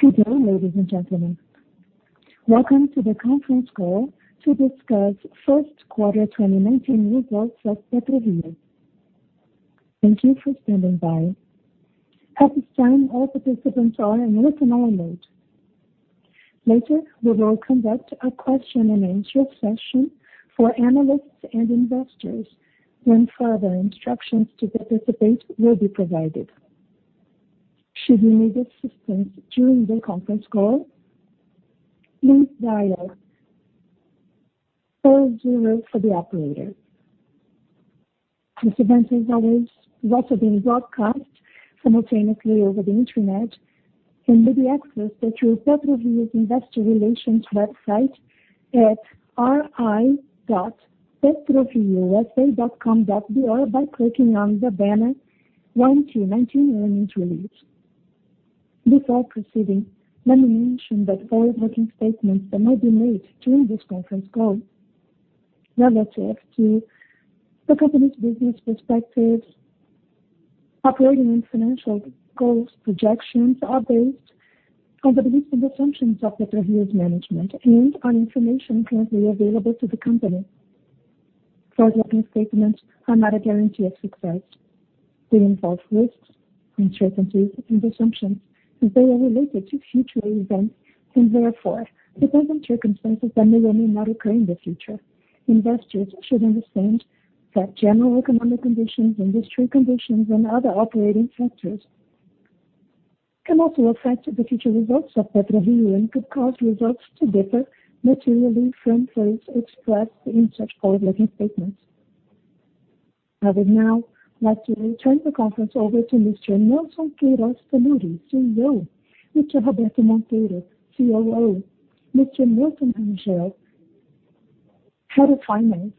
Good day, ladies and gentlemen. Welcome to the conference call to discuss first quarter 2019 results of PetroRio. Thank you for standing by. At this time, all participants are in listen-only mode. Later, we will conduct a question and answer session for analysts and investors, when further instructions to participate will be provided. Should you need assistance during the conference call, please dial 40 for the operator. This event is also being broadcast simultaneously over the internet and may be accessed through PetroRio's investor relations website at ri.petrorio.com.br by clicking on the banner 1Q19 Earnings Release. Before proceeding, let me mention that forward-looking statements that may be made during this conference call relative to the company's business perspective, operating and financial goals, projections, are based on the beliefs and assumptions of PetroRio's management and on information currently available to the company. Forward-looking statements are not a guarantee of success. They involve risks, uncertainties, and assumptions. They are related to future events and therefore depend on circumstances that may or may not occur in the future. Investors should understand that general economic conditions, industry conditions, and other operating factors can also affect the future results of PetroRio and could cause results to differ materially from those expressed in such forward-looking statements. I would now like to turn the conference over to Mr. Nelson Queiroz Tanure, CEO, Mr. Roberto Monteiro, COO, Mr. Milton Rangel, Head of Finance,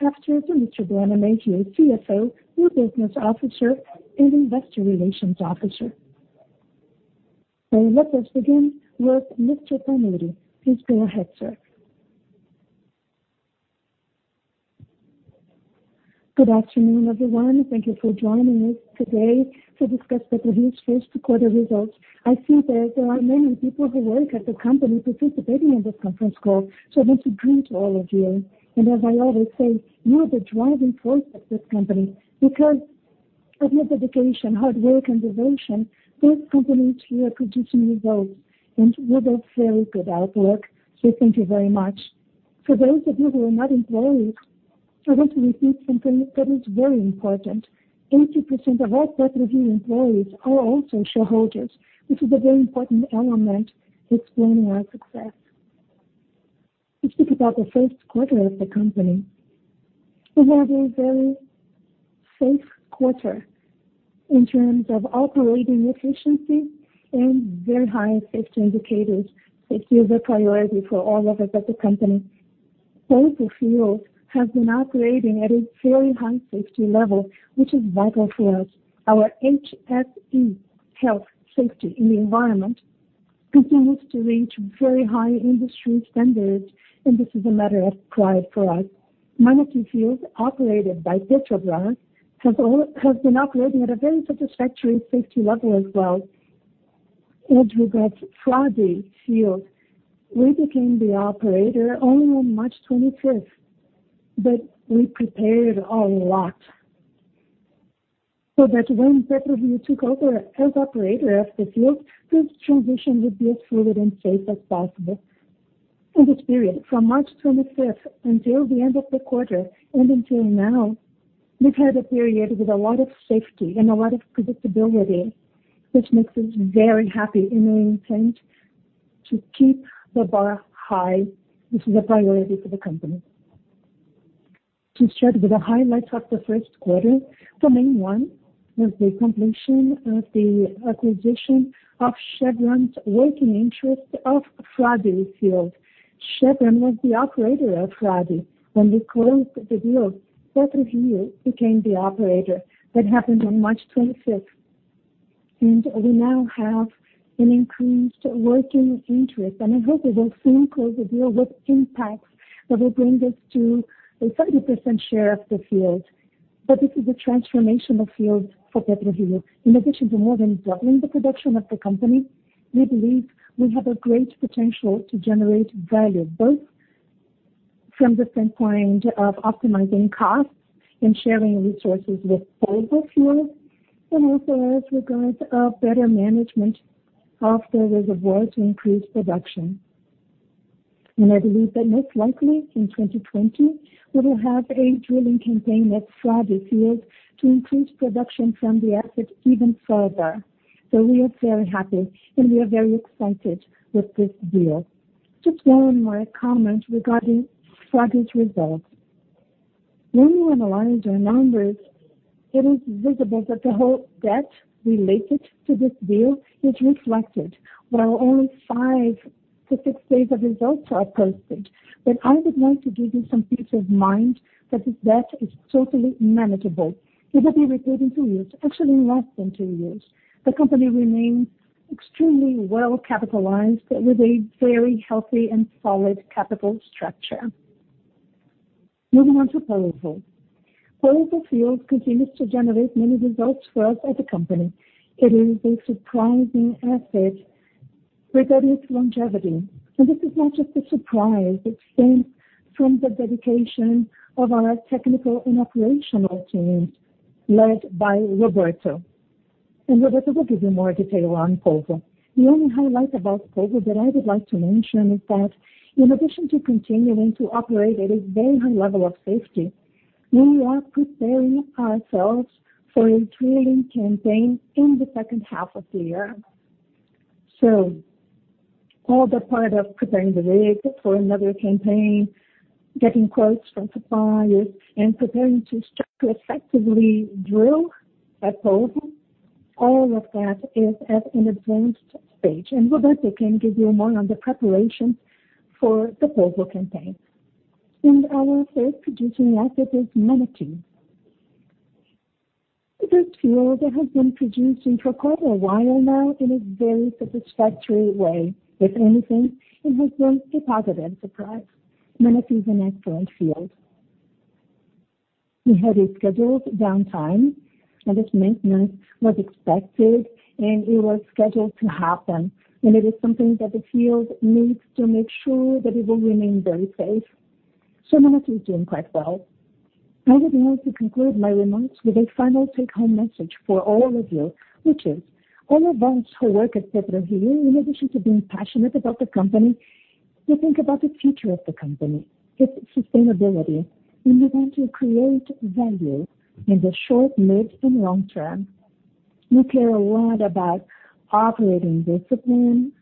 After to Mr. Guilherme Maia, CFO, New Business Officer, and Investor Relations Officer. Let us begin with Mr. Tanure. Please go ahead, sir. Good afternoon, everyone. Thank you for joining us today to discuss PetroRio's first quarter results. I see that there are many people who work at the company participating in this conference call, I want to greet all of you. As I always say, you are the driving force of this company because of your dedication, hard work, and devotion, this company each year could reach new goals, and you did very good outlook. Thank you very much. For those of you who are not employees, I want to repeat something that is very important. 80% of all PetroRio employees are also shareholders, which is a very important element explaining our success. To speak about the first quarter of the company, we had a very safe quarter in terms of operating efficiency and very high safety indicators. Safety is a priority for all of us at the company. Polvo Field has been operating at a very high safety level, which is vital for us. Our HSE, health, safety, and environment, continues to reach very high industry standards, and this is a matter of pride for us. Manati Field, operated by Petrobras, has been operating at a very satisfactory safety level as well. With regards Frade Field, we became the operator only on March 25th, We prepared a lot, so that when PetroRio took over as operator of the field, this transition would be as fluid and safe as possible. In this period, from March 25th until the end of the quarter and until now, we've had a period with a lot of safety and a lot of predictability, which makes us very happy, We intend to keep the bar high, which is a priority for the company. To start with the highlights of the first quarter, the main one was the completion of the acquisition of Chevron's working interest of Frade Field. Chevron was the operator of Frade. When we closed the deal, PetroRio became the operator. That happened on March 25th. We now have an increased working interest, and I hope we will soon close the deal with Impact that will bring us to a 30% share of the field. This is a transformational field for PetroRio. In addition to more than doubling the production of the company, we believe we have a great potential to generate value, both from the standpoint of optimizing costs and sharing resources with Polvo Field, and also as regards a better management of the reservoir to increase production. I believe that most likely in 2020, we will have a drilling campaign at Frade Field to increase production from the asset even further. We are very happy, and we are very excited with this deal. Just one more comment regarding Frade's results. When we analyze our numbers, it is visible that the whole debt related to this deal is reflected. Well, only five to six days of results are posted. I would like to give you some peace of mind that this debt is totally manageable. It will be repaid in two years, actually less than two years. The company remains extremely well-capitalized with a very healthy and solid capital structure. Moving on to Polvo. Polvo Field continues to generate many results for us as a company. It is a surprising asset regarding its longevity. This is not just a surprise, it stems from the dedication of our technical and operational teams, led by Roberto. Roberto will give you more detail on Polvo. The only highlight about Polvo that I would like to mention is that in addition to continuing to operate at a very high level of safety, we are preparing ourselves for a drilling campaign in the second half of the year. All the part of preparing the rig for another campaign, getting quotes from suppliers, and preparing to start to effectively drill at Polvo, all of that is at an advanced stage. Roberto can give you more on the preparation for the Polvo campaign. Our third producing asset is Manati. It is a field that has been producing for quite a while now in a very satisfactory way. If anything, it has been a positive surprise. Manati is an excellent field. We had a scheduled downtime, and this maintenance was expected, and it was scheduled to happen, and it is something that the field needs to make sure that it will remain very safe. Manati is doing quite well. I would like to conclude my remarks with a final take-home message for all of you, which is, all of us who work at PetroRio, in addition to being passionate about the company, we think about the future of the company, its sustainability. We want to create value in the short, mid, and long term. We care a lot about operating discipline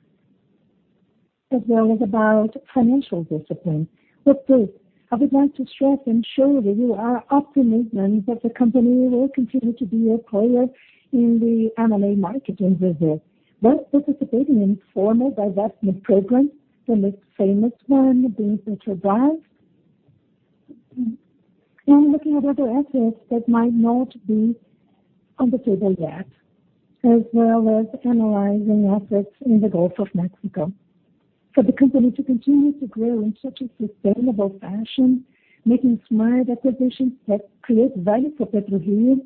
as well as about financial discipline. With this, I would like to stress and show that we are optimistic that the company will continue to be a player in the M&A market in Brazil, both participating in formal divestment programs, the most famous one being Petrobras, and looking at other assets that might not be on the table yet, as well as analyzing assets in the Gulf of Mexico. For the company to continue to grow in such a sustainable fashion, making smart acquisitions that create value for PetroRio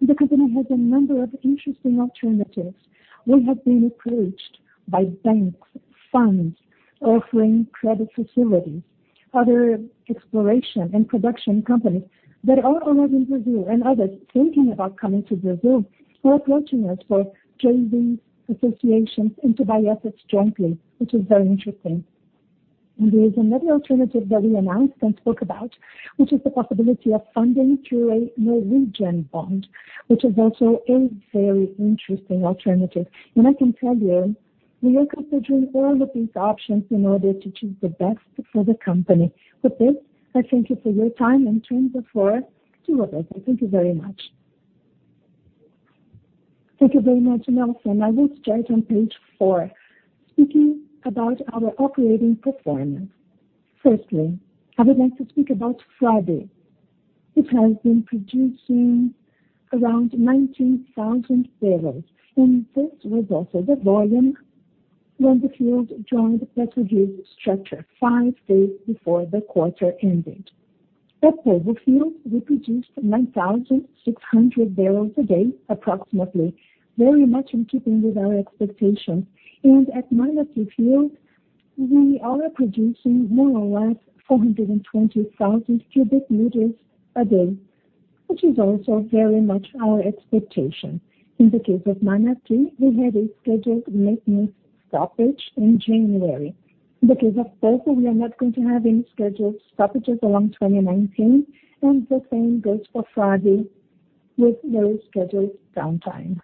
the company has a number of interesting alternatives. We have been approached by banks, funds offering credit facilities, other exploration and production companies that are already in Brazil and others thinking about coming to Brazil, who are approaching us for JVs, associations, and to buy assets jointly, which is very interesting. There is another alternative that we announced and spoke about, which is the possibility of funding through a Norwegian bond, which is also a very interesting alternative. I can tell you, we are considering all of these options in order to choose the best for the company. With this, I thank you for your time and turn the floor to Roberto. Thank you very much. Thank you very much, Nelson. I will start on page four, speaking about our operating performance. Firstly, I would like to speak about Frade. It has been producing around 19,000 barrels, and this was also the volume when the field joined Prio's structure five days before the quarter ending. At Polvo Field, we produced 9,600 barrels a day, approximately, very much in keeping with our expectations. At Manati Field, we are producing more or less 420,000 cubic meters a day, which is also very much our expectation. In the case of Manati, we had a scheduled maintenance stoppage in January. In the case of Polvo, we are not going to have any scheduled stoppages along 2019, and the same goes for Frade with no scheduled downtime.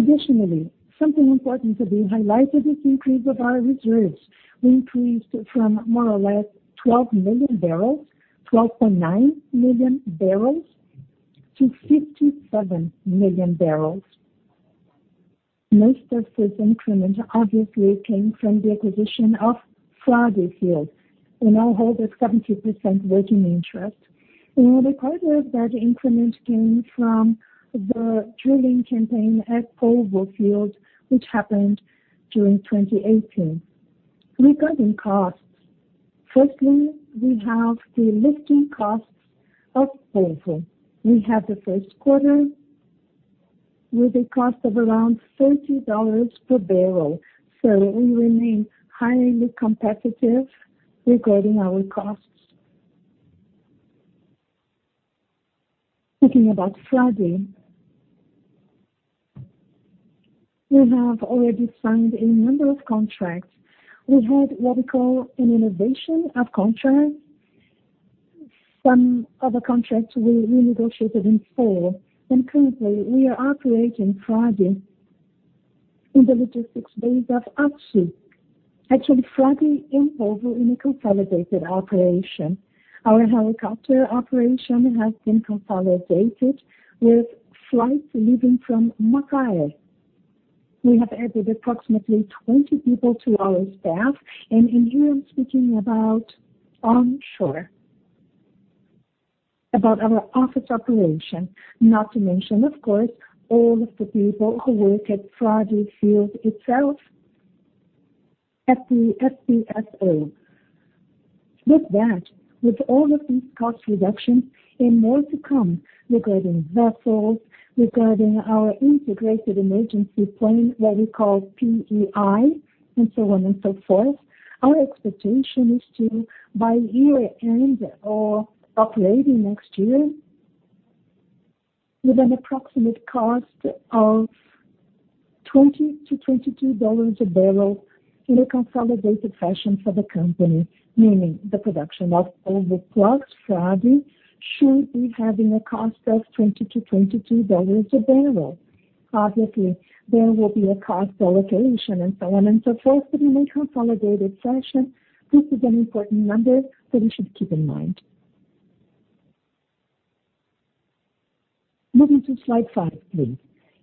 Additionally, something important to be highlighted is the increase of our reserves. We increased from more or less 12 million barrels, 12.9 million barrels, to 57 million barrels. Most of this increment obviously came from the acquisition of Frade Field. We now hold a 70% working interest. The rest of that increment came from the drilling campaign at Polvo Field, which happened during 2018. Regarding costs, firstly, we have the lifting costs of Polvo. We have the first quarter with a cost of around $30 per barrel. So we remain highly competitive regarding our costs. Speaking about Frade, we have already signed a number of contracts. We had what we call an innovation of contract. Some of the contracts we renegotiated in full. Currently, we are operating Frade in the logistics base of Açu. Actually, Frade and Polvo in a consolidated operation. Our helicopter operation has been consolidated with flights leaving from Macaé. We have added approximately 20 people to our staff, here I'm speaking about onshore, about our office operation, not to mention, of course, all of the people who work at Frade Field itself, at the FPSO. With that, with all of these cost reductions and more to come regarding vessels, regarding our integrated emergency plan, what we call PEI, and so on and so forth, our expectation is to, by year-end or operating next year, with an approximate cost of $20 to $22 a barrel in a consolidated fashion for the company, meaning the production of Polvo plus Frade should be having a cost of $20 to $22 a barrel. Obviously, there will be a cost allocation and so on and so forth, but in a consolidated fashion, this is an important number that we should keep in mind. Moving to slide five, please.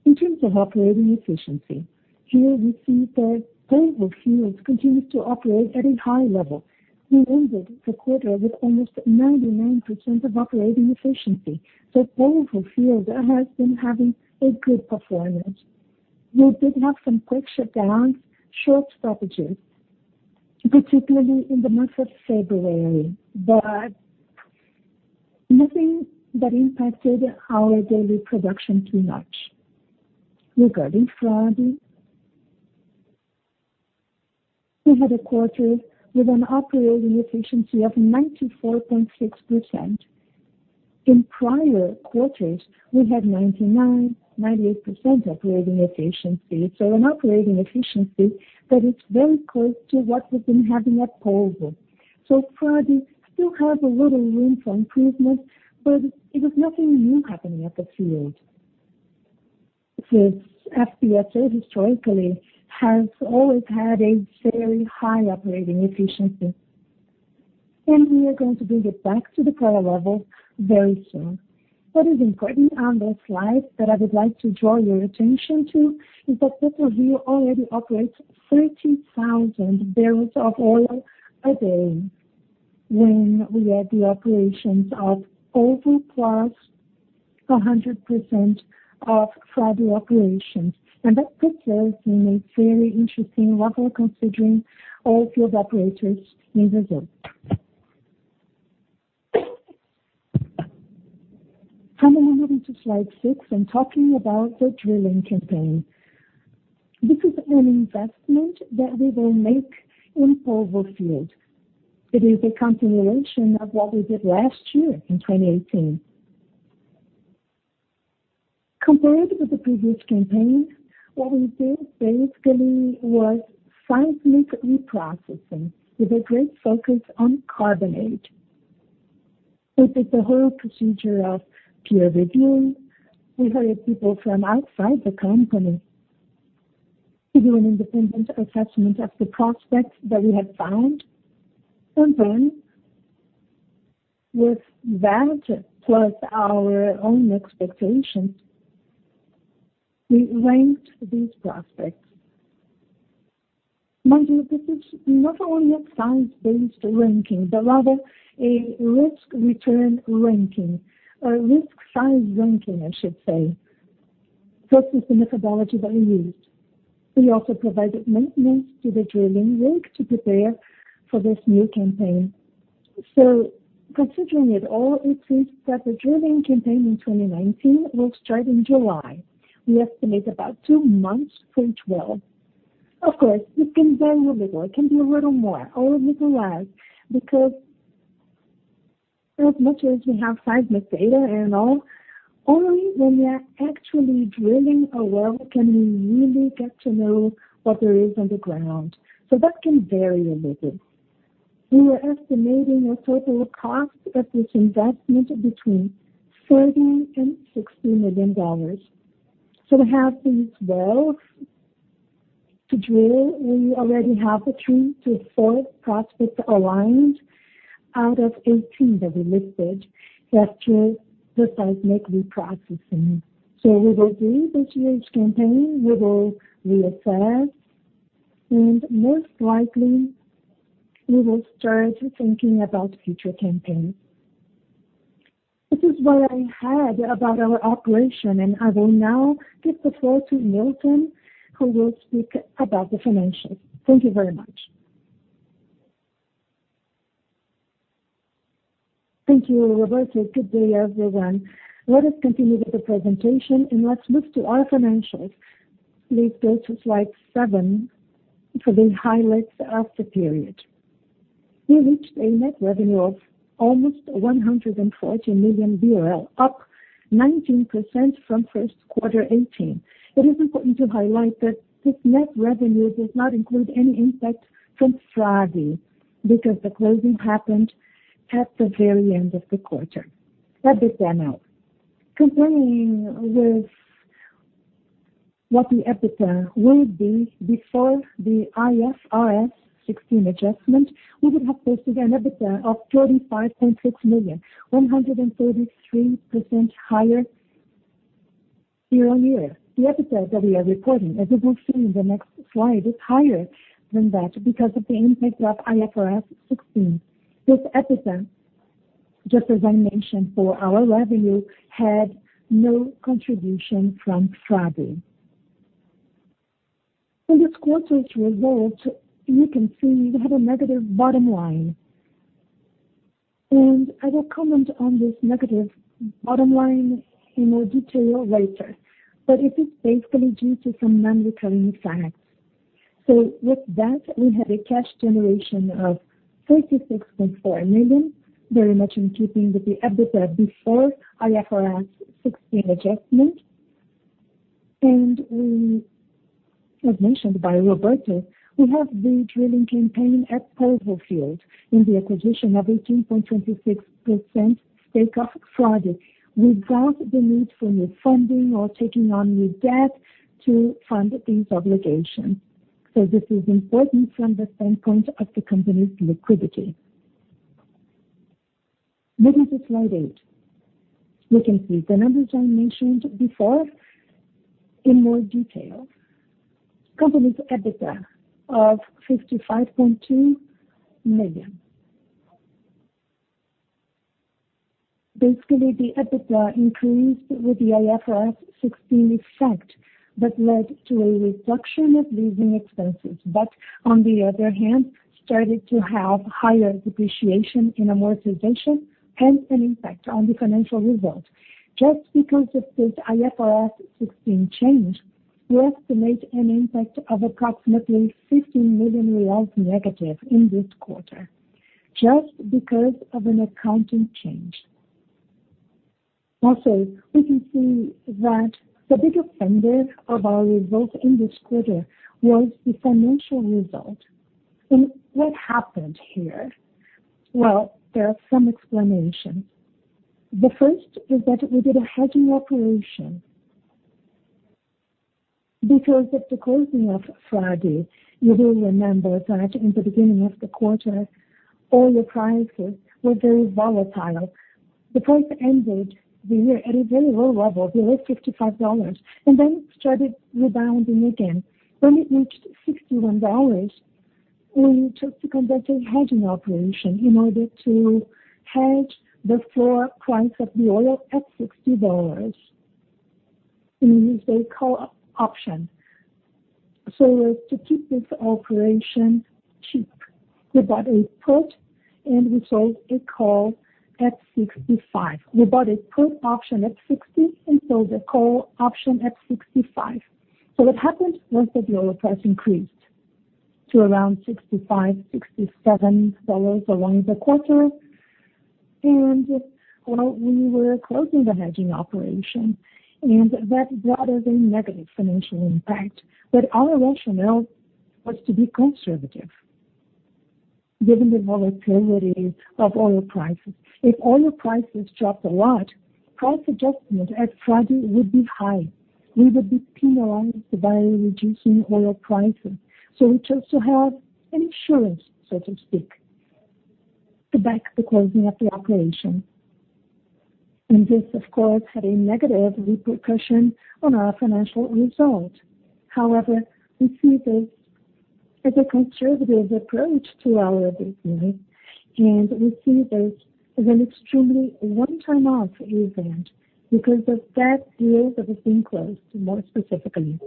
In terms of operating efficiency, here we see that Polvo Field continues to operate at a high level. We ended the quarter with almost 99% of operating efficiency. Polvo Field has been having a good performance. We did have some quick shutdowns, short stoppages, particularly in the month of February, but nothing that impacted our daily production too much. Regarding Frade, we had a quarter with an operating efficiency of 94.6%. In prior quarters, we had 99%, 98% operating efficiency. An operating efficiency that is very close to what we've been having at Polvo. Frade still has a little room for improvement, but it is nothing new happening at the field. This FPSO historically has always had a very high operating efficiency, and we are going to bring it back to the Polvo level very soon. What is important on this slide that I would like to draw your attention to is that Polvo here already operates 30,000 barrels of oil a day when we have the operations of Polvo plus 100% of Frade operations. That's precisely makes very interesting what we're considering all field operators in Brazil. Coming on now to slide six and talking about the drilling campaign. This is an investment that we will make in Polvo Field. It is a continuation of what we did last year in 2018. Compared with the previous campaign, what we did basically was seismic reprocessing with a great focus on carbonate. We did the whole procedure of peer review. We hired people from outside the company to do an independent assessment of the prospects that we had found. With that, plus our own expectation, we ranked these prospects. Mind you, this is not only a size-based ranking, but rather a risk return ranking or risk size ranking, I should say. This is the methodology that we used. We also provided maintenance to the drilling rig to prepare for this new campaign. Considering it all, it seems that the drilling campaign in 2019 will start in July. We estimate about two months for each well. Of course, it can vary a little. It can be a little more or a little less, because as much as we have seismic data and all, only when we are actually drilling a well can we really get to know what there is underground. That can vary a little. We were estimating a total cost of this investment between $40 million and $60 million. We have these wells to drill. We already have three to four prospects aligned out of 18 that we listed after the seismic reprocessing. We will do this year's campaign, we will reassess, and most likely, we will start thinking about future campaigns. This is what I had about our operation, I will now give the floor to Milton, who will speak about the financials. Thank you very much. Thank you, Roberto. Good day, everyone. Let us continue with the presentation, let's move to our financials. Please go to slide seven for the highlights of the period. We reached a net revenue of almost 140 million BRL, up 19% from first quarter 2018. It is important to highlight that this net revenue does not include any impact from Frade because the closing happened at the very end of the quarter. That is M&A. Comparing with what the EBITDA would be before the IFRS 16 adjustment, we would have posted an EBITDA of 35.6 million, 133% higher year-on-year. The EBITDA that we are reporting, as you will see in the next slide, is higher than that because of the impact of IFRS 16. This EBITDA, just as I mentioned for our revenue, had no contribution from Frade. In this quarter's results, you can see we have a negative bottom line. I will comment on this negative bottom line in more detail later, it is basically due to some non-recurring facts. With that, we had a cash generation of 46.4 million, very much in keeping with the EBITDA before IFRS 16 adjustment. As mentioned by Roberto, we have the drilling campaign at Polvo Field in the acquisition of 18.26% stake of Frade without the need for new funding or taking on new debt to fund this obligation. This is important from the standpoint of the company's liquidity. Moving to slide eight. We can see the numbers I mentioned before in more detail. Company's EBITDA of BRL 55.2 million. Basically, the EBITDA increased with the IFRS 16 effect that led to a reduction of leasing expenses, on the other hand, started to have higher depreciation and amortization and an impact on the financial result. Just because of this IFRS 16 change, we estimate an impact of approximately BRL 15 million negative in this quarter just because of an accounting change. Also, we can see that the big offender of our results in this quarter was the financial result. What happened here? There are some explanations. The first is that we did a hedging operation. Because of the closing of Frade, you will remember that in the beginning of the quarter, oil prices were very volatile. The price ended the year at a very low level, below BRL 55, it started rebounding again. When it reached BRL 61, we took to conduct a hedging operation in order to hedge the floor price of the oil at BRL 60 and use the call option. As to keep this operation cheap, we bought a put and we sold a call at 65. We bought a put option at 60 and sold a call option at 65. What happened was that the oil price increased to around 65, BRL 67 along the quarter. We were closing the hedging operation, that brought us a negative financial impact. Our rationale was to be conservative given the volatility of oil prices. If oil prices dropped a lot, price adjustment at Frade would be high. We would be penalized by reducing oil prices. We chose to have an insurance, so to speak, to back the closing of the operation. And this, of course, had a negative repercussion on our financial result. However, we see this as a conservative approach to our business, and we see this as an extremely one-time off event because of that deal that has been closed, more specifically.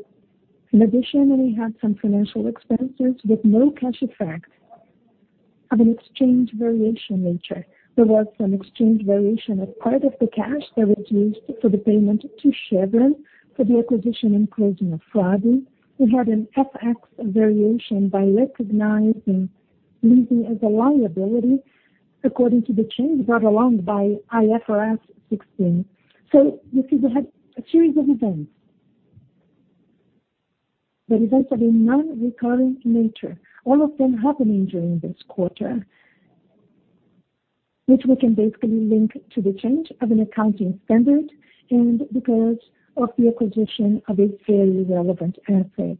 In addition, we had some financial expenses with no cash effect of an exchange variation nature. There was some exchange variation as part of the cash that was used for the payment to Chevron for the acquisition and closing of Frade. We had an FX variation by recognizing leasing as a liability according to the change brought along by IFRS 16. You see we had a series of events. The events of a non-recurring nature, all of them happening during this quarter, which we can basically link to the change of an accounting standard and because of the acquisition of a very relevant asset,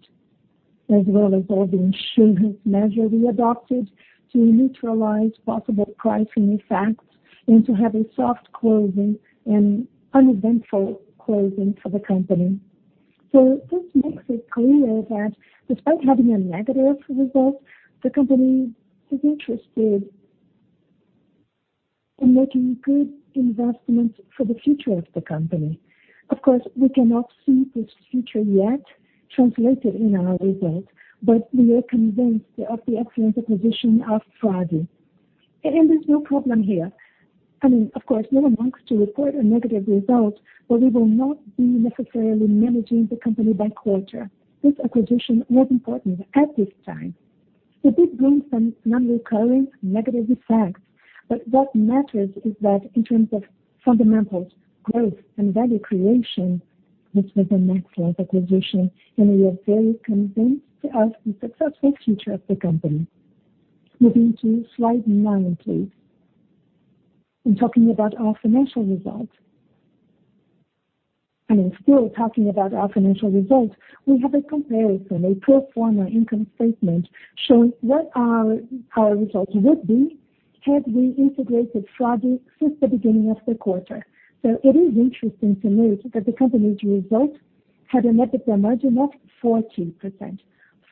as well as all the insurance measure we adopted to neutralize possible pricing effects and to have a soft closing and uneventful closing for the company. This makes it clear that despite having a negative result, the company is interested in making good investments for the future of the company. Of course, we cannot see this future yet translated in our results, but we are convinced of the excellent acquisition of Frade. And there's no problem here. I mean, of course, no one wants to report a negative result, we will not be necessarily managing the company by quarter. This acquisition was important at this time. It did bring some non-recurring negative effects, but what matters is that in terms of fundamentals, growth, and value creation, this was an excellent acquisition, and we are very convinced of the successful future of the company. Moving to slide nine, please. In talking about our financial results, and in still talking about our financial results, we have a comparison, a pro forma income statement showing what our results would be had we integrated Frade since the beginning of the quarter. It is interesting to note that the company's results had an EBITDA margin of 40%.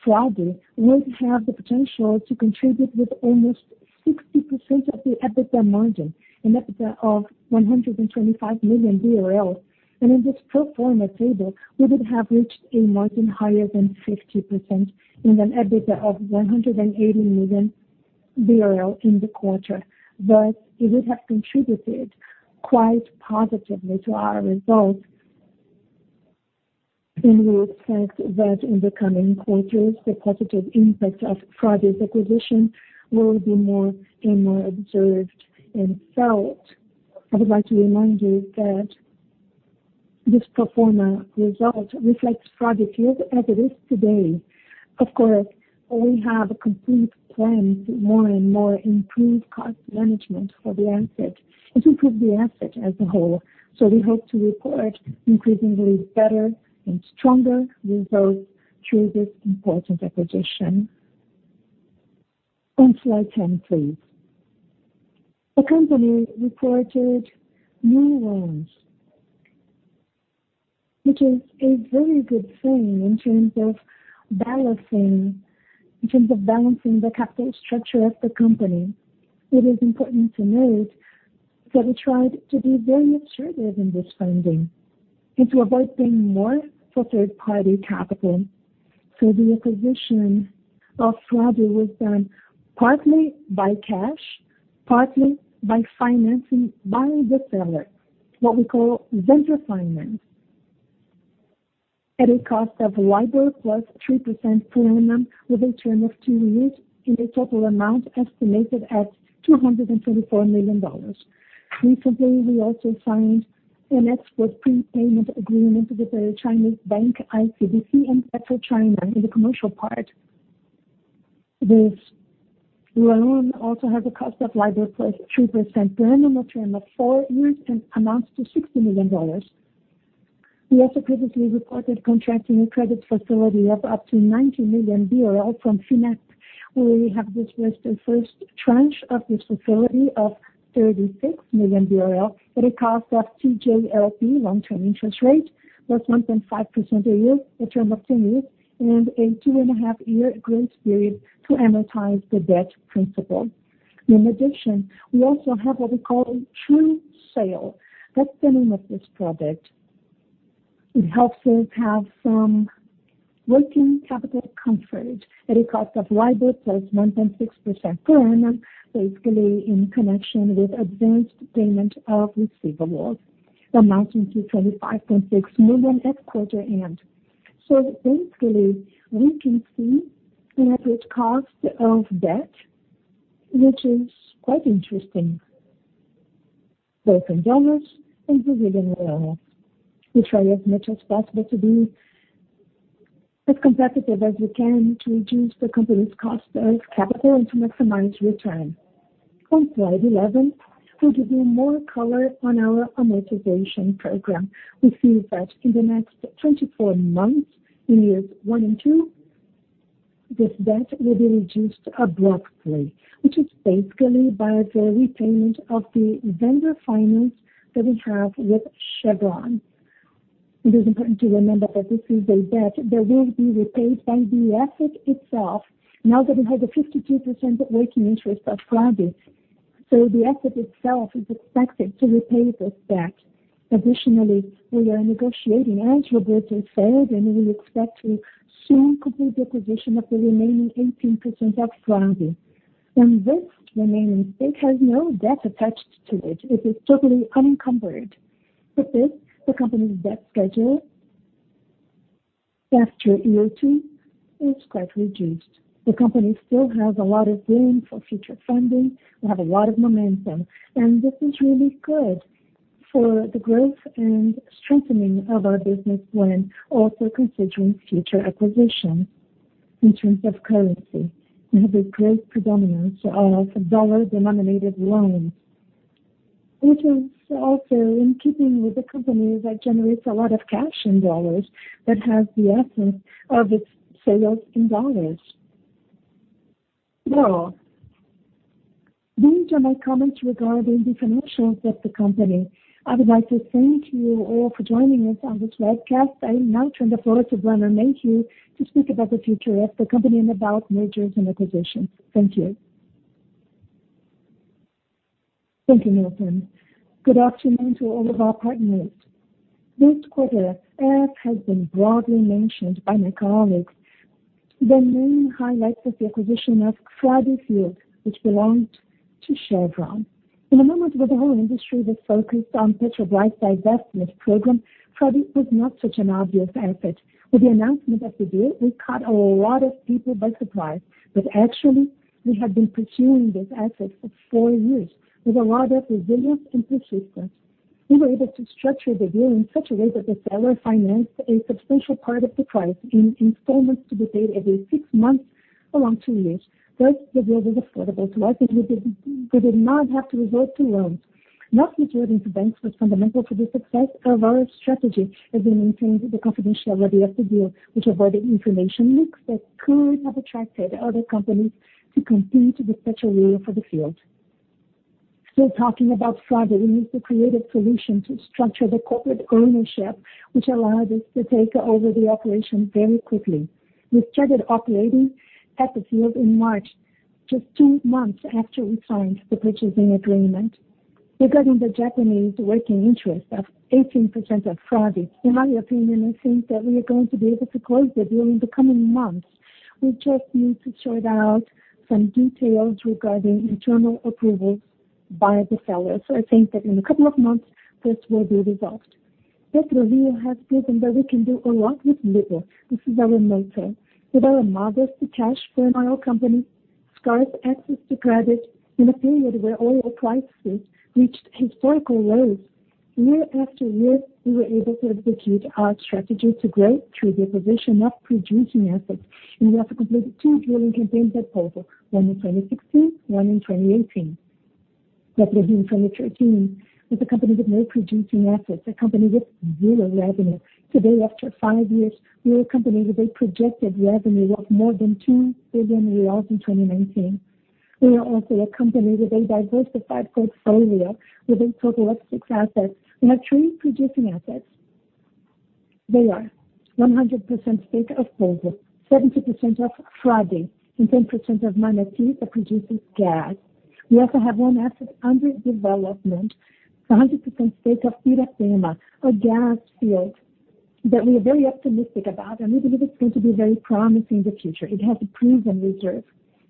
Frade would have the potential to contribute with almost 60% of the EBITDA margin, an EBITDA of 125 million. And in this pro forma table, we would have reached a margin higher than 50% in an EBITDA of BRL 180 million in the quarter. It would have contributed quite positively to our results in the effect that in the coming quarters, the positive impact of Frade's acquisition will be more and more observed and felt. I would like to remind you that this pro forma result reflects Frade field as it is today. Of course, we have complete plans to more and more improve cost management for the asset and to improve the asset as a whole. We hope to report increasingly better and stronger results through this important acquisition. On slide 10, please. The company reported new loans, which is a very good thing in terms of balancing the capital structure of the company. It is important to note that we tried to be very assertive in this funding and to avoid paying more for third-party capital. The acquisition of Frade was done partly by cash, partly by financing by the seller, what we call vendor finance, at a cost of LIBOR plus 3% per annum with a term of 2 years and a total amount estimated at $224 million. Recently, we also signed an export prepayment agreement with the Chinese bank ICBC and PetroChina in the commercial part. This loan also has a cost of LIBOR plus 2% per annum, a term of four years and amounts to $60 million. We also previously reported contracting a credit facility of up to BRL 90 million from FINEP, where we have dispersed the first tranche of this facility of 36 million BRL at a cost of TJLP long-term interest rate, plus 1.5% a year, a term of 10 years, and a two-and-a-half year grace period to amortize the debt principal. We also have what we call a true sale. That's the name of this product. It helps us have some working capital comfort at a cost of LIBOR plus 1.6% per annum, basically in connection with advanced payment of receivables amounting to 35.6 million at quarter end. Basically, we can see an average cost of debt, which is quite interesting, both in dollars and Brazilian real. We try as much as possible to be as competitive as we can to reduce the company's cost of capital and to maximize return. On slide 11, we give you more color on our amortization program. We see that in the next 24 months, in years one and two, this debt will be reduced abruptly, which is basically by the repayment of the vendor finance that we have with Chevron. It is important to remember that this is a debt that will be repaid by the asset itself now that we have a 52% working interest of Frade. The asset itself is expected to repay this debt. Additionally, we are negotiating, as Roberto said, and we expect to soon complete the acquisition of the remaining 18% of Frade. This remaining stake has no debt attached to it. It is totally unencumbered. With this, the company's debt schedule after year two is quite reduced. The company still has a lot of room for future funding. We have a lot of momentum, and this is really good for the growth and strengthening of our business plan, also considering future acquisitions in terms of currency. We have a great predominance of dollar-denominated loans, which is also in keeping with the company that generates a lot of cash in dollars that has the essence of its sales in dollars. Well, these are my comments regarding the financials of the company. I would like to thank you all for joining us on this webcast. I now turn the floor to Diana Meyer to speak about the future of the company and about mergers and acquisitions. Thank you. Thank you, Milton. Good afternoon to all of our partners. This quarter, as has been broadly mentioned by my colleagues, the main highlight is the acquisition of Frade field, which belonged to Chevron. In a moment where the whole industry was focused on Petrobras divestment program, Frade was not such an obvious asset. With the announcement that we did, we caught a lot of people by surprise. Actually, we have been pursuing this asset for 4 years. With a lot of resilience and persistence, we were able to structure the deal in such a way that the seller financed a substantial part of the price in installments to be paid every 6 months along 2 years. Thus, the deal was affordable to us, and we did not have to resort to loans. Not featured in the banks was fundamental to the success of our strategy, as we maintained the confidentiality of the deal, which avoided information leaks that could have attracted other companies to compete with Prio for the field. Still talking about Frade, we need to create a solution to structure the corporate ownership, which allowed us to take over the operation very quickly. We started operating at the field in March, just 2 months after we signed the purchasing agreement. Regarding the Japanese working interest of 18% of Frade, in my opinion, I think that we are going to be able to close the deal in the coming months. We just need to sort out some details regarding internal approvals by the sellers. So I think that in a couple of months, this will be resolved. Prio has proven that we can do a lot with little. This is our motto. With our modest cash for an oil company, scarce access to credit in a period where oil prices reached historical lows, year after year, we were able to execute our strategy to grow through the acquisition of producing assets, and we also completed 2 drilling campaigns at Polvo, one in 2016, one in 2018. PetroRio in 2013 was a company with no producing assets, a company with zero revenue. Today, after 5 years, we are a company with a projected revenue of more than BRL 2 billion in 2019. We are also a company with a diversified portfolio with a total of 6 assets. We have 3 producing assets. They are 100% stake of Polvo, 70% of Frade, and 10% of Manati that produces gas. We also have one asset under development, 100% stake of Piratema, a gas field that we are very optimistic about, and we believe it's going to be very promising in the future. It has a proven reserve.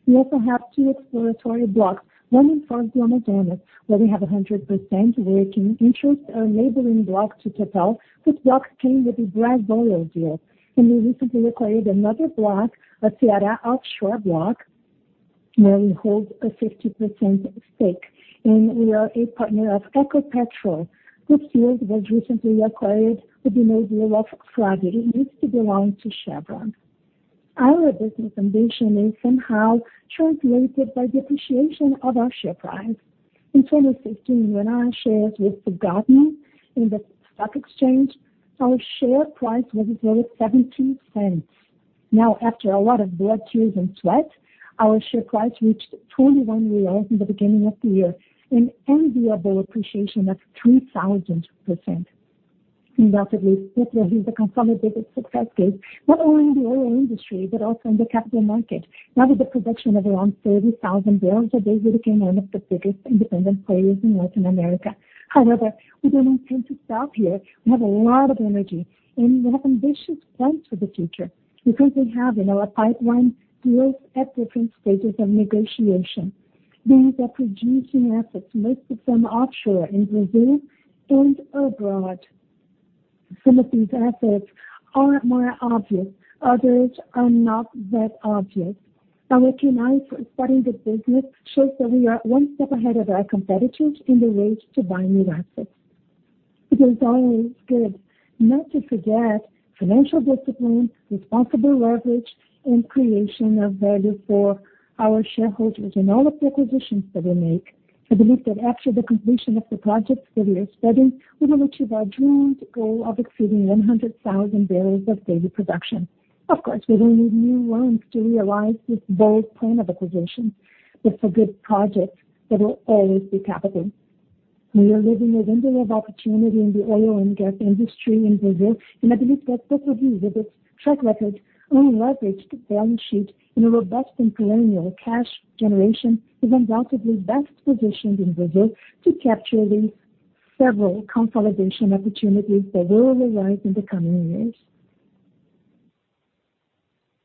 We also have 2 exploratory blocks, one in Foz do Amazonas, where we have 100% working interest, a neighboring block to Tepual. This block came with the Brasoil deal. And we recently acquired another block, a Ceará offshore block, where we hold a 50% stake, and we are a partner of Ecopetrol. This field was recently acquired within our deal of Frade. It used to belong to Chevron. Our business ambition is somehow translated by the appreciation of our share price. In 2016, when our shares were forgotten in the stock exchange, our share price was below 0.72. Now, after a lot of blood, tears, and sweat, our share price reached 21 reais in the beginning of the year, an enviable appreciation of 3,000%. Undoubtedly, PetroRio is a consolidated success case, not only in the oil industry but also in the capital market. Now with the production of around 30,000 barrels a day, we became one of the biggest independent players in Latin America. However, we don't intend to stop here. We have a lot of energy, and we have ambitious plans for the future because we have in our pipeline deals at different stages of negotiation. These are producing assets, most of them offshore in Brazil and abroad. Some of these assets are more obvious, others are not that obvious. Our keen eye for spotting the business shows that we are one step ahead of our competitors in the race to buy new assets. It is always good not to forget financial discipline, responsible leverage, and creation of value for our shareholders in all of the acquisitions that we make. I believe that after the completion of the projects that we are studying, we will achieve our dreamed goal of exceeding 100,000 barrels of daily production. Of course, we will need new loans to realize this bold plan of acquisition, but for good projects, there will always be capital. We are living a window of opportunity in the oil and gas industry in Brazil. I believe that PetroRio, with its track record, unleveraged balance sheet, and a robust and perennial cash generation, is undoubtedly best positioned in Brazil to capture the several consolidation opportunities that will arise in the coming years.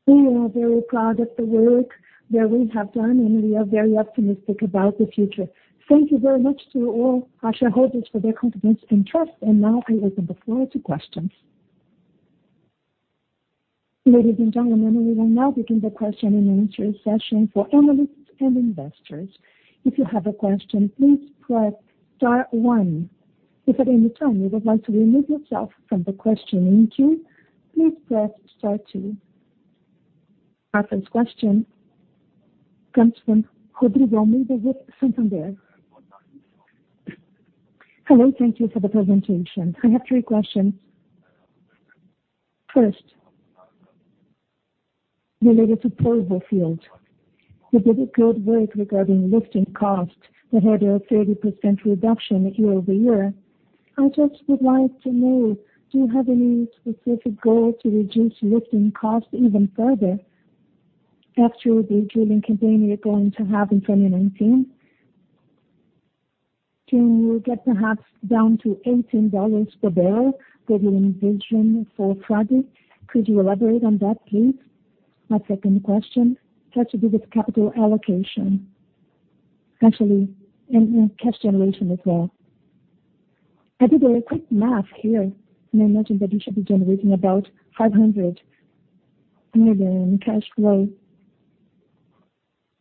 We are very proud of the work that we have done, and we are very optimistic about the future. Thank you very much to all our shareholders for their confidence and trust. Now I open the floor to questions. Ladies and gentlemen, we will now begin the question and answer session for analysts and investors. If you have a question, please press star one. If at any time you would like to remove yourself from the questioning queue, please press star two. Our first question comes from Rodrigo Medina with Santander. Hello, thank you for the presentation. I have three questions. First, related to Polvo Field. You did a good work regarding lifting costs that had a 30% reduction year-over-year. I just would like to know, do you have any specific goal to reduce lifting costs even further after the drilling campaign you're going to have in 2019? Can you get perhaps down to $18 per barrel that you envision for Frade? Could you elaborate on that, please? My second question has to do with capital allocation. Actually, and cash generation as well. I did a quick math here. I imagine that you should be generating about 500 million cash flow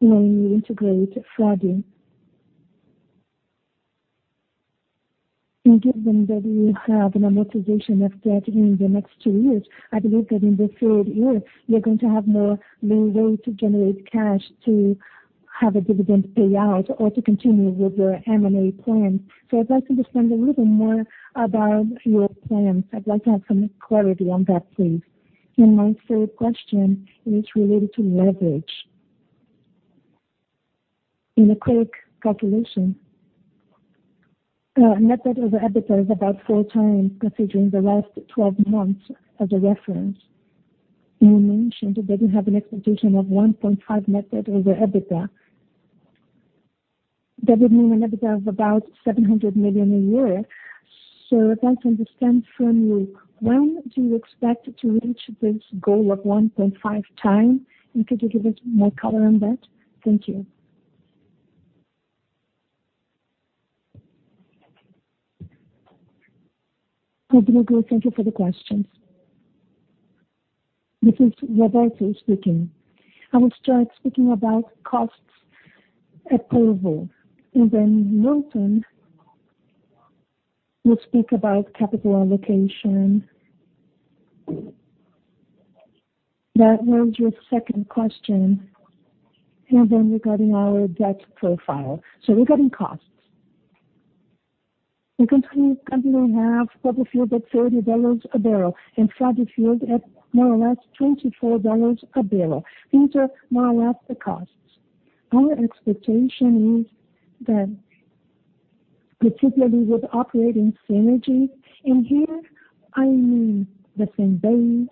when you integrate Frade. Given that we have an amortization of debt in the next two years, I believe that in the third year, we are going to have no way to generate cash to have a dividend payout or to continue with your M&A plan. I'd like to understand a little bit more about your plans. I'd like to have some clarity on that, please. My third question is related to leverage. In a quick calculation, net debt over EBITDA is about 4x considering the last 12 months as a reference. You mentioned that you have an expectation of 1.5 net debt over EBITDA. That would mean an EBITDA of about 700 million a year. I'd like to understand from you, when do you expect to reach this goal of 1.5 times, and could you give us more color on that? Thank you. Rodrigo, thank you for the questions. This is Roberto speaking. I will start speaking about costs at Polvo, and then Milton will speak about capital allocation. That was your second question. Then regarding our debt profile. Regarding costs. The company will have Polvo Field at BRL 30 a barrel and Frade Field at more or less BRL 24 a barrel. These are more or less the costs. Our expectation is that particularly with operating synergy, and here I mean the same base,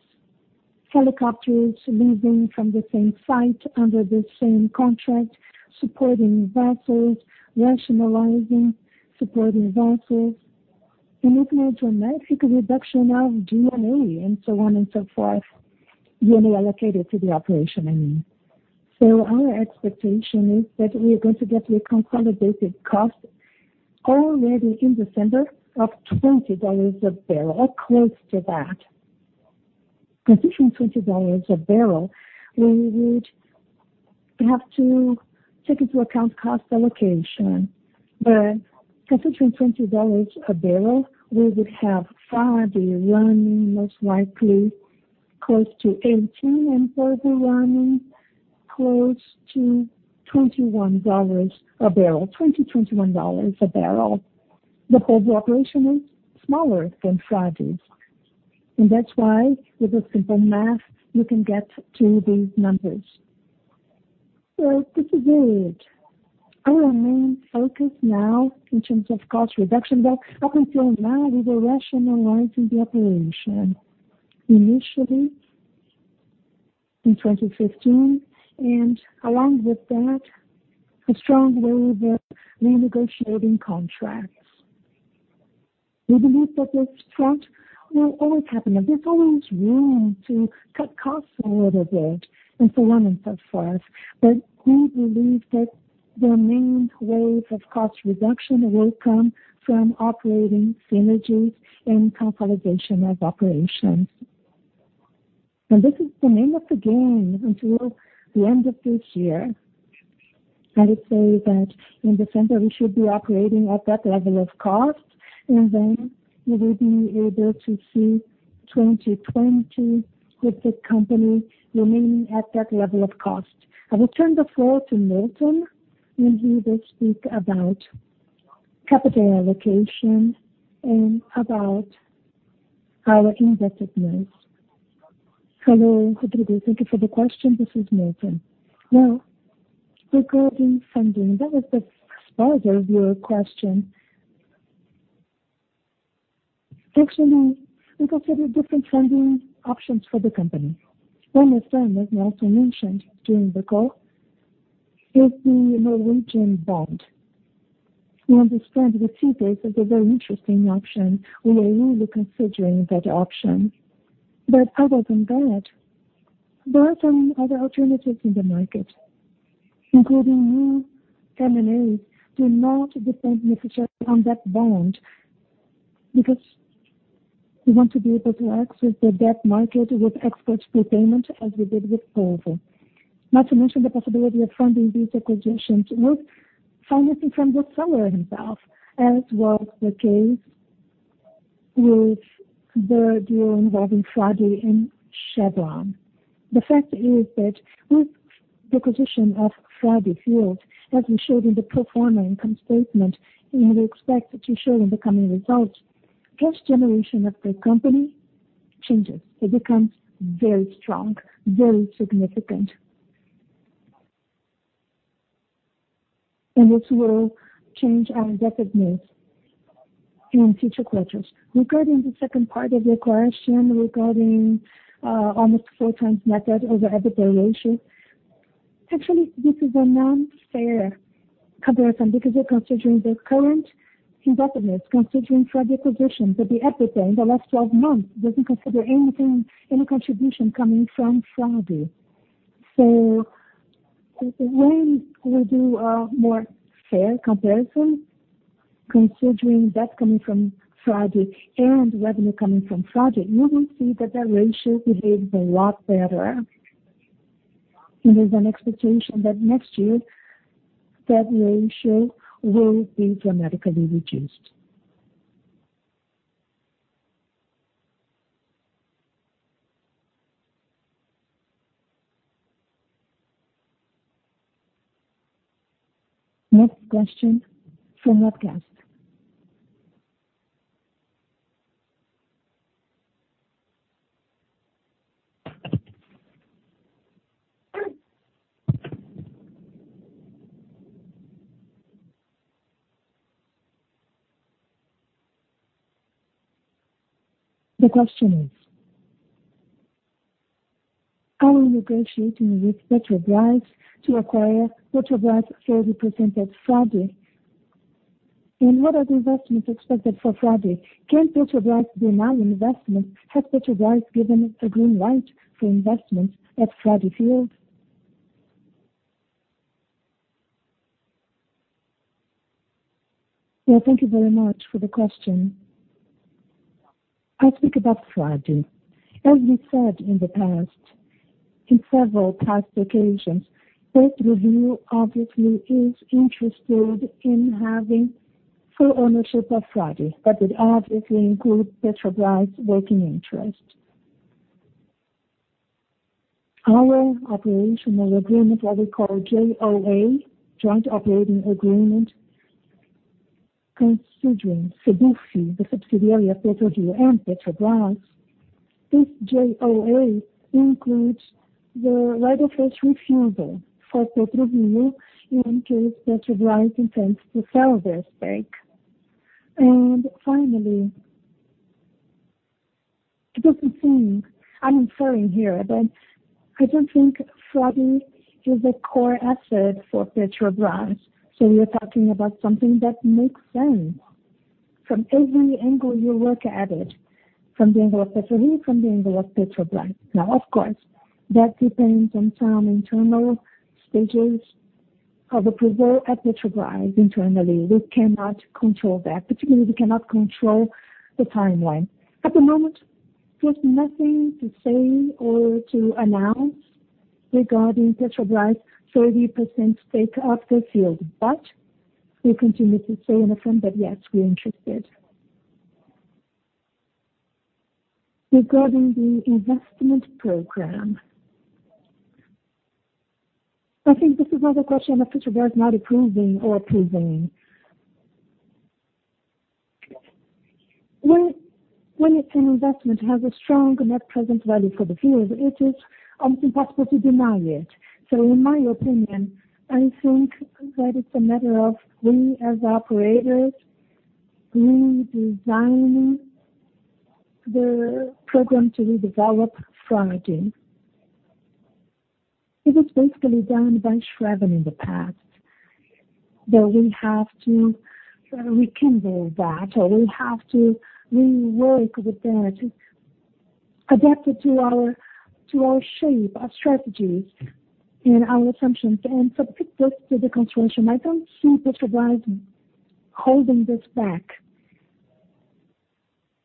helicopters leaving from the same site under the same contract, supporting vessels, rationalizing supporting vessels, and it means a magic reduction of G&A and so on and so forth, duly allocated to the operation, I mean. Our expectation is that we are going to get a consolidated cost already in December of BRL 20 a barrel or close to that. Considering BRL 20 a barrel, we would have to take into account cost allocation. Considering BRL 20 a barrel, we would have Frade running most likely close to 18 and Polvo running close to BRL 21 a barrel. BRL 20, BRL 21 a barrel. The Polvo operation is smaller than Frade's. That's why with a simple math, you can get to these numbers. This is it. Our main focus now in terms of cost reduction, that comes from now with rationalizing the operation initially in 2015 and along with that, a strong wave of renegotiating contracts. We believe that this front will always happen. There's always room to cut costs a little bit and so on and so forth. We believe that the main wave of cost reduction will come from operating synergies and consolidation of operations. This is the name of the game until the end of this year. I would say that in December, we should be operating at that level of cost, and then we will be able to see 2020 with the company remaining at that level of cost. I will turn the floor to Milton, and he will speak about capital allocation and about our indebtedness. Hello, Rodrigo. Thank you for the question. This is Milton. Regarding funding, that was the spark of your question. Actually, we consider different funding options for the company. One of them, as we also mentioned during the call, is the Norwegian bond. We understand that CP is a very interesting option. We are really considering that option. Other than that, there are some other alternatives in the market, including new M&As. Do not depend necessarily on that bond because we want to be able to access the debt market with export prepayment, as we did with Polvo. Not to mention the possibility of funding these acquisitions with financing from the seller himself, as was the case with the deal involving Frade and Chevron. The fact is that with the acquisition of Frade Field, as we showed in the pro forma income statement, and we expect to show in the coming results, cash generation of the company changes. It becomes very strong, very significant. This will change our debt service in future quarters. Regarding the second part of your question regarding almost four times net debt over EBITDA ratio. Actually, this is a non-fair comparison because you are considering the current indebtedness considering Frade acquisition, but the EBITDA in the last 12 months does not consider any contribution coming from Frade. When we do a more fair comparison, considering debt coming from Frade and revenue coming from Frade, you will see that the ratio behaves a lot better. And there is an expectation that next year that ratio will be dramatically reduced. Next question from webcast. The question is, are you negotiating with Petrobras to acquire Petrobras' 30% at Frade? What are the investments expected for Frade? Can Petrobras deny investment? Has Petrobras given a green light for investment at Frade field? Well, thank you very much for the question. I will speak about Frade. As we have said in the past, in several past occasions, PetroRio obviously is interested in having full ownership of Frade, but it obviously includes Petrobras' working interest. Our operational agreement, what we call JOA, Joint Operating Agreement, considering Subupi, the subsidiary of PetroRio and Petrobras. This JOA includes the right of first refusal for PetroRio in case Petrobras intends to sell their stake. Finally, I do not think, I am referring here, but I do not think Frade is a core asset for Petrobras, we are talking about something that makes sense from every angle you look at it, from the angle of PetroRio, from the angle of Petrobras. Of course, that depends on some internal stages of approval at Petrobras internally. We cannot control that. Particularly, we cannot control the timeline. At the moment, there is nothing to say or to announce regarding Petrobras' 30% stake of the field. We continue to say in the front that, yes, we are interested. Regarding the investment program, I think this is not a question of Petrobras not approving or approving. When an investment has a strong net present value for the field, it is almost impossible to deny it. In my opinion, I think that it is a matter of we, as operators, redesign the program to redevelop Frade. It was basically done by Chevron in the past. We have to rekindle that, or we have to rework with that, adapt it to our shape, our strategies, and our assumptions, and submit this to the consortium. I do not see Petrobras holding this back.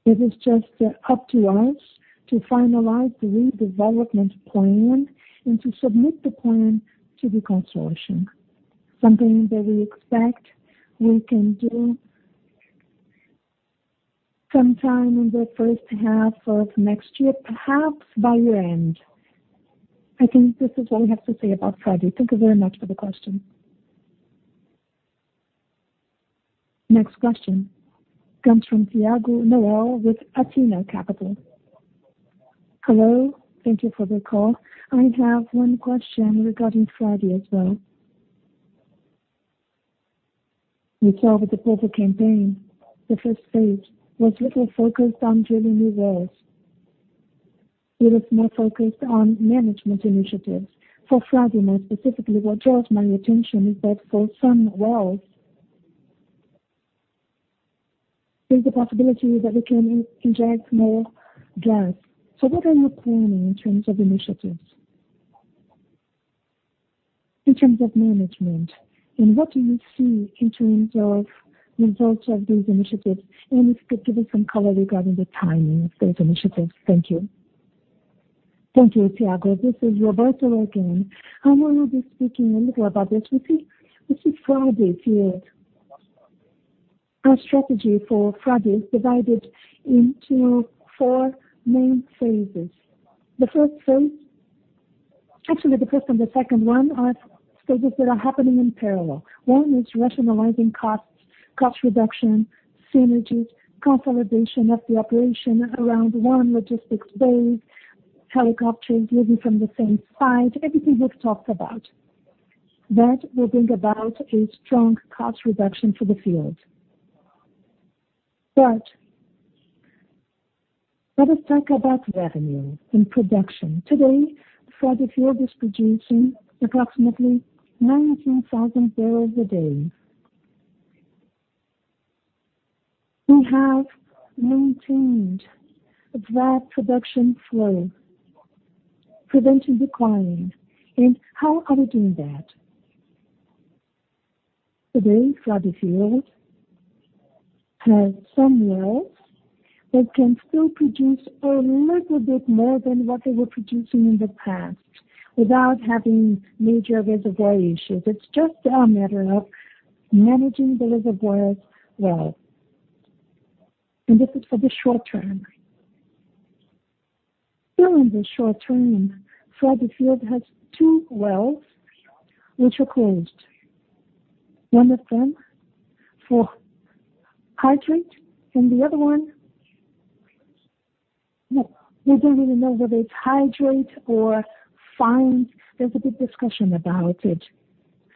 It is just up to us to finalize the redevelopment plan and to submit the plan to the consortium. Something that we expect we can do sometime in the first half of next year, perhaps by year-end. I think this is all I have to say about Frade. Thank you very much for the question. Next question comes from Thiago Noel with Atina Capital. Hello. Thank you for the call. I have one question regarding Frade as well. We saw that the Polvo campaign, the first phase, was little focused on drilling new wells. It was more focused on management initiatives. For Frade, more specifically, what draws my attention is that for some wells, there is a possibility that we can inject more gas. What are you planning in terms of initiatives, in terms of management, and what do you see in terms of results of these initiatives? If you could give us some color regarding the timing of those initiatives. Thank you. Thank you, Thiago. This is Roberto Monteiro again. I will be speaking a little about this. You see, this is Frade Field. Our strategy for Frade is divided into four main phases. The first and the second one are phases that are happening in parallel. One is rationalizing costs, cost reduction, synergies, consolidation of the operation around one logistics base, helicopters leaving from the same site, everything we've talked about. That will bring about a strong cost reduction for the Field. Let us talk about revenue and production. Today, Frade Field is producing approximately 19,000 barrels a day. We have maintained a flat production flow, prevented declining. How are we doing that? Today, Frade Field has some wells that can still produce a little bit more than what they were producing in the past without having major reservoir issues. It's just a matter of managing the reservoirs well. This is for the short term. Still in the short term, Frade Field has two wells which are closed. One of them for hydrate and the other one, we don't really know whether it's hydrate or fines. There's a big discussion about it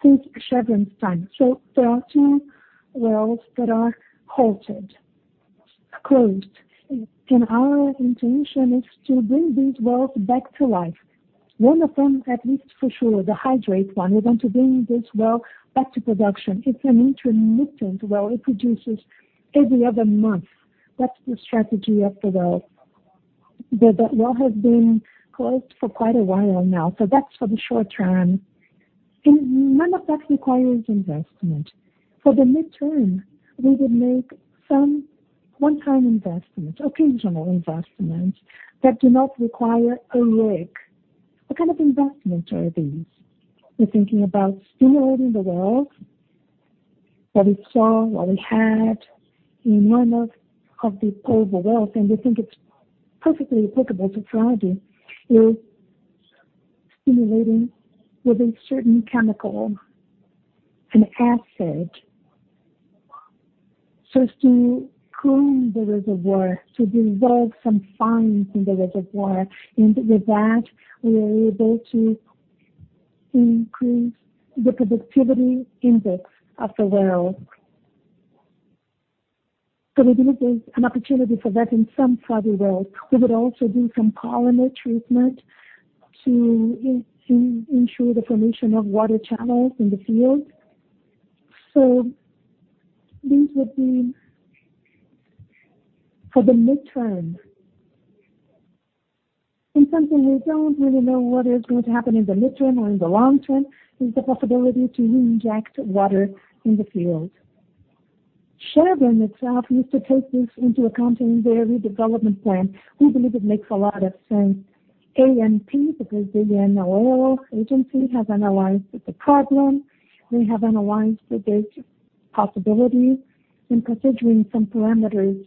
since Chevron's time. There are two wells that are halted, closed, and our intention is to bring these wells back to life. One of them, at least for sure, the hydrate one, we want to bring this well back to production. It's an intermittent well. It produces every other month. That's the strategy of the well. The well has been closed for quite a while now. That's for the short term. None of that requires investment. For the midterm, we would make some one-time investment, occasional investment, that do not require a rig. What kind of investments are these? We're thinking about stimulating the wells that we saw, what we had in one of the Polvo wells, and we think it's perfectly applicable to Frade is stimulating with a certain chemical, an acid, so as to clean the reservoir, to dissolve some fines in the reservoir. With that, we are able to increase the productivity index of the well. We believe there's an opportunity for that in some Frade wells. We would also do some polymer treatment to ensure the formation of water channels in the Field. These would be for the midterm. Something we don't really know what is going to happen in the midterm or in the long term is the possibility to reinject water in the Field. Chevron itself used to take this into account in their redevelopment plan. We believe it makes a lot of sense. ANP, the Brazilian oil agency, has analyzed the problem. We have analyzed the data possibility in considering some parameters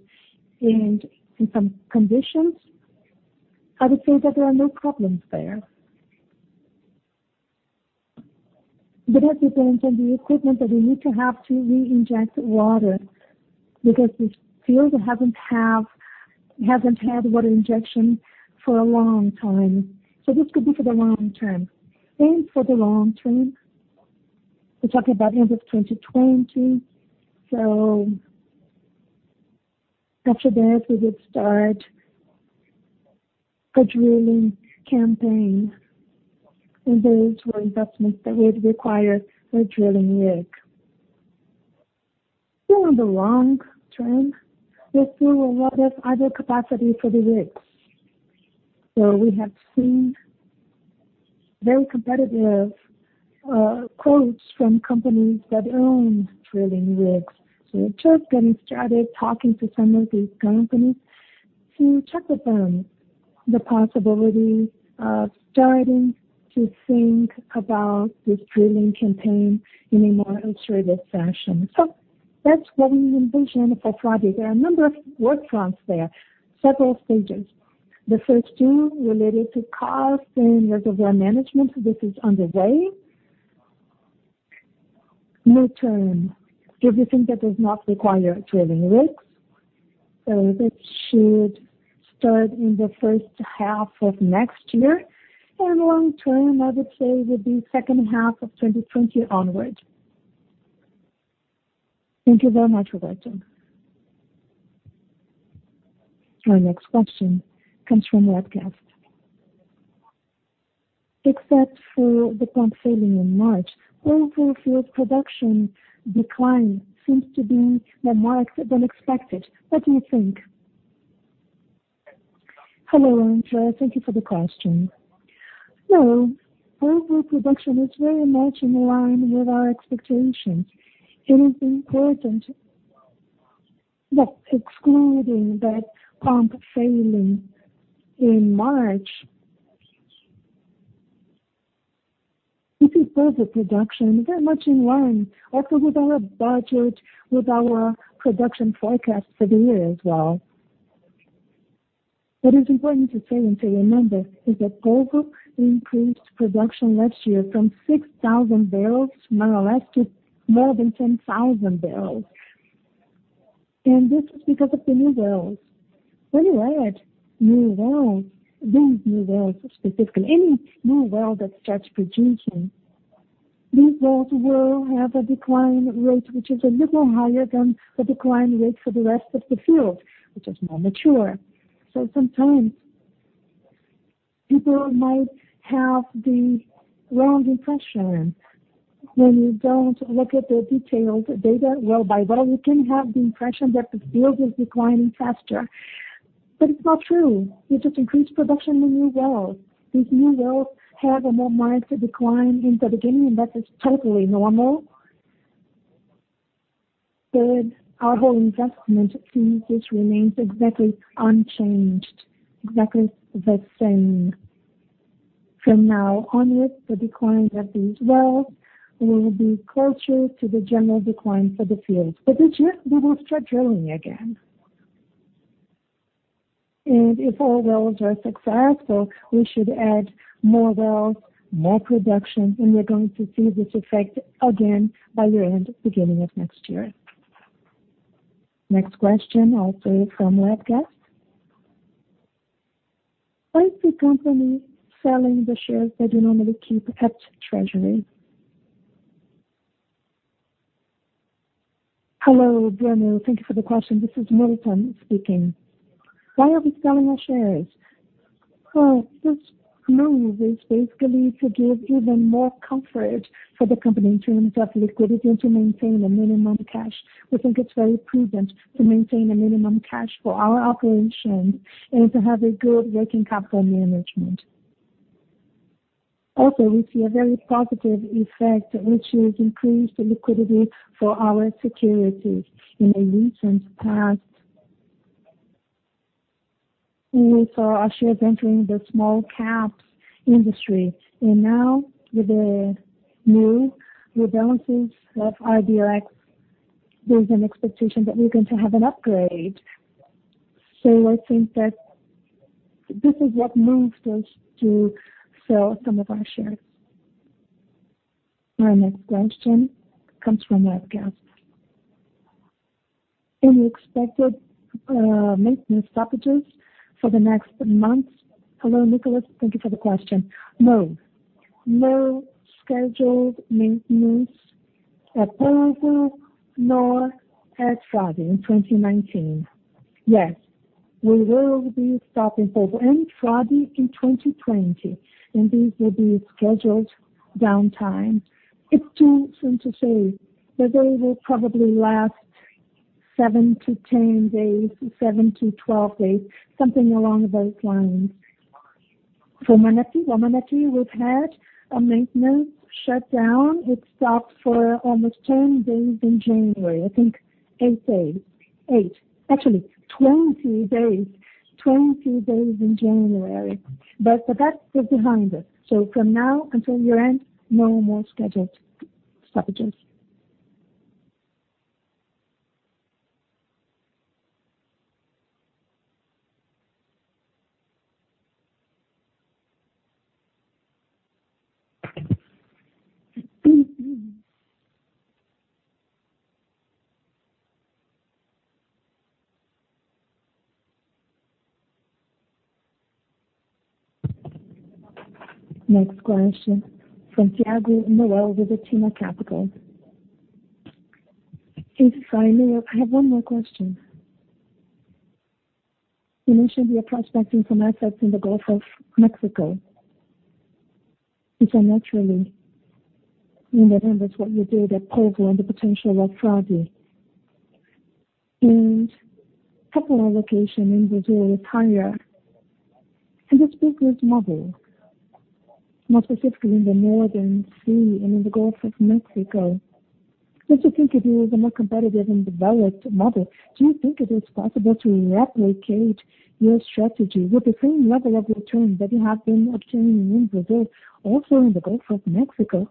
and in some conditions. I would say that there are no problems there. That depends on the equipment that we need to have to reinject water because these fields haven't had water injection for a long time. This could be for the long term. For the long term, we're talking about end of 2020. After that, we would start a drilling campaign. Those were investments that would require a drilling rig. Still on the long term, we still have other capacity for the rigs. We have seen very competitive quotes from companies that own drilling rigs. We're just getting started talking to some of these companies to check with them the possibility of starting to think about this drilling campaign in a more iterative fashion. That's what we envision for Frade. There are a number of work fronts there, several stages. The first two related to cost and reservoir management. This is underway. Midterm is the thing that does not require drilling rigs. This should start in the first half of next year, and long term, I would say, would be second half of 2020 onwards. Thank you very much, Roberto. Our next question comes from Webcast. Except for the pump failing in March, Polvo Field production decline seems to be more than expected. Why do you think? Hello, and thank you for the question. No, Polvo production is very much in line with our expectations. It is important that excluding that pump failing in March, this is Polvo production, very much in line also with our budget, with our production forecast for the year as well. What is important to say and to remember is that Polvo increased production last year from 6,000 barrels, more or less, to more than 10,000 barrels. This is because of the new wells. When you add new wells, these new wells specifically, any new well that starts producing, these wells will have a decline rate, which is a little higher than the decline rate for the rest of the field, which is more mature. Sometimes people might have the wrong impression when you don't look at the detailed data well by well, you can have the impression that the field is declining faster. It's not true. We just increased production in new wells. These new wells have a more modest decline in the beginning, that is totally normal. Third, our whole investment thesis remains exactly unchanged, exactly the same. From now onwards, the decline of these wells will be closer to the general decline for the field. We will start drilling again. If our wells are successful, we should add more wells, more production, and we're going to see this effect again by year-end, beginning of next year. Next question, also from Webcast. Why is the company selling the shares they normally keep at treasury? Hello, Bruno. Thank you for the question. This is Milton speaking. Why are we selling our shares? This move is basically to give even more comfort for the company in terms of liquidity and to maintain a minimum cash. We think it's very prudent to maintain a minimum cash for our operations and to have a good working capital management. We see a very positive effect, which is increased liquidity for our securities. In the recent past, we saw our shares entering the small-cap industry. Now with the new rebalances of IBX, there's an expectation that we're going to have an upgrade. I think that this is what moves us to sell some of our shares. Our next question comes from Webcast. Any expected maintenance stoppages for the next months? Hello, Nicholas. Thank you for the question. No. No scheduled maintenance at Polvo nor at Frade in 2019. Yes, we will be stopping Polvo and Frade in 2020, and these will be scheduled downtime. It's too soon to say, but they will probably last 7-10 days, 7-12 days, something along those lines. For Manati, we've had a maintenance shutdown. It stopped for almost 10 days in January, I think 8 days. Eight. Actually, 20 days. 20 days in January. That is behind us. From now until year-end, no more scheduled stoppages. Next question. From Thiago Noel with Atina Capital. Sorry, Milton. I have one more question. You mentioned you are prospecting some assets in the Gulf of Mexico. You know that that's what you did at Polvo and the potential at Frade. Capital allocation in Brazil is higher. Can you speak to this model? More specifically in the North Sea and in the Gulf of Mexico. Since you think it is a more competitive and developed model, do you think it is possible to replicate your strategy with the same level of return that you have been obtaining in Brazil, also in the Gulf of Mexico?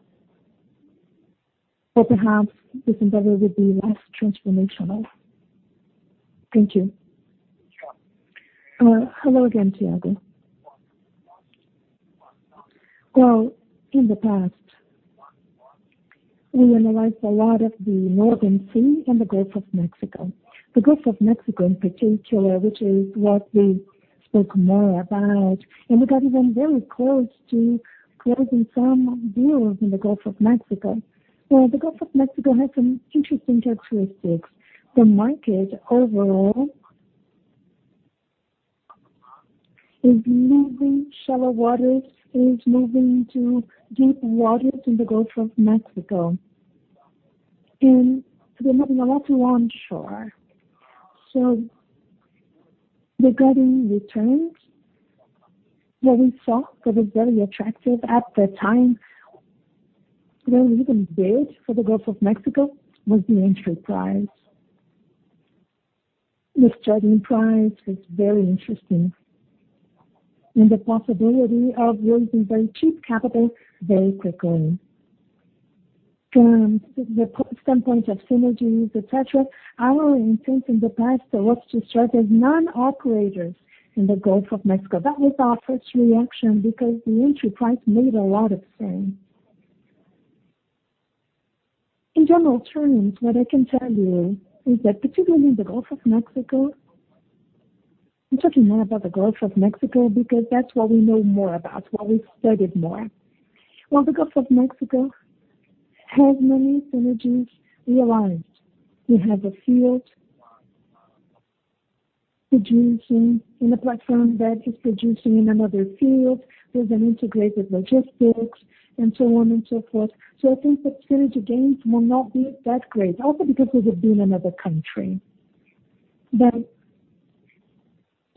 Perhaps this endeavor would be less transformational? Thank you. Hello again, Thiago. In the past, we analyzed a lot of the North Sea and the Gulf of Mexico. The Gulf of Mexico in particular, which is what we spoke more about, we got even very close to closing some deals in the Gulf of Mexico. The Gulf of Mexico has some interesting characteristics. The market overall is moving shallow waters, is moving to deep waters in the Gulf of Mexico, and a lot of onshore. Regarding returns, what we saw that was very attractive at that time, what we even bid for the Gulf of Mexico, was the entry price. This starting price was very interesting. The possibility of raising very cheap capital very quickly. From the standpoint of synergies, et cetera, our instinct in the past was to start as non-operators in the Gulf of Mexico. That was our first reaction because the entry price made a lot of sense. In general terms, what I can tell you is that particularly in the Gulf of Mexico, I'm talking more about the Gulf of Mexico because that's what we know more about, what we studied more. The Gulf of Mexico has many synergies realized. You have a field producing in a platform that is producing in another field. There's an integrated logistics and so on and so forth. I think the synergy gains will not be that great, also because it would be in another country.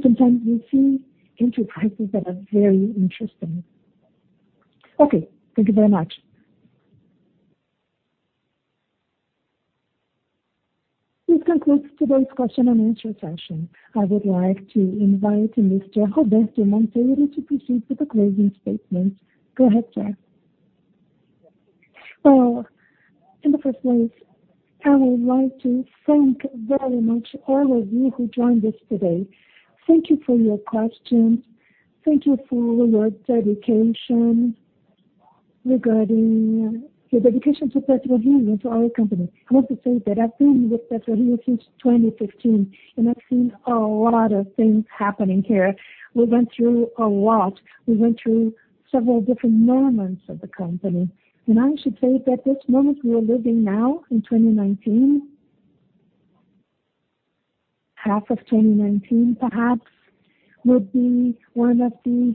Sometimes we see enterprises that are very interesting. Thank you very much. This concludes today's question and answer session. I would like to invite Mr. Roberto Monteiro to proceed with the closing statement. Go ahead, sir. In the first place, I would like to thank very much all of you who joined us today. Thank you for your questions. Thank you for your dedication to PetroRio and to our company. I want to say that I've been with PetroRio since 2015, I've seen a lot of things happening here. We went through a lot. We went through several different moments of the company. I should say that this moment we are living now in 2019, half of 2019 perhaps, would be one of the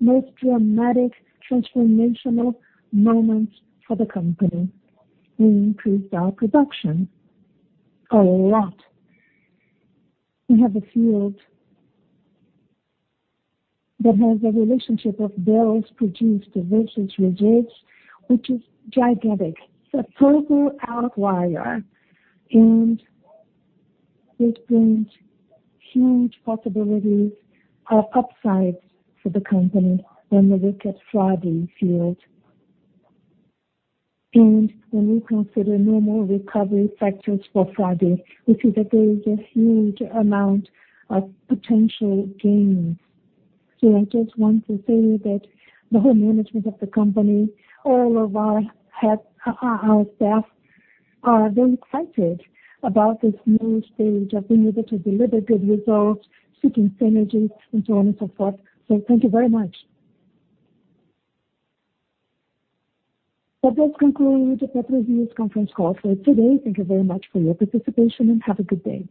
most dramatic transformational moments for the company. We increased our production a lot. We have a field that has a relationship of barrels produced versus reserves, which is gigantic. It's a total outlier. It brings huge possibilities or upsides for the company when we look at Frade field. When we consider normal recovery factors for Frade, we see that there is a huge amount of potential gains. I just want to say that the whole management of the company, all of our staff are very excited about this new stage of being able to deliver good results, seeking synergies, and so on and so forth. Thank you very much. That's concluding the PetroRio's conference call for today. Thank you very much for your participation, and have a good day.